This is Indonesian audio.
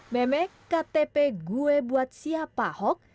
memek ktp gue buat siapa ahok